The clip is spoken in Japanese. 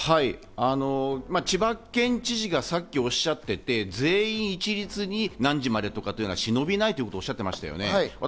千葉県知事がさっきおっしゃっていて、全員一律に何時までとかいうのはしのびないとおっしゃってましたね。